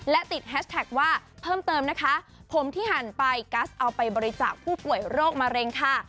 และติดแฮชแท็กว่าเพิ่มเติมนะคะผมที่หั่นไปกัสเอาไปบริจาคผู้ป่วยโรคมะเร็งค่ะ